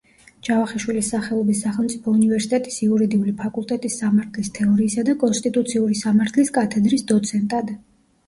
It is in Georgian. ჯავახიშვილის სახელობის სახელმწიფო უნივერსიტეტის იურიდიული ფაკულტეტის სამართლის თეორიისა და კონსტიტუციური სამართლის კათედრის დოცენტად.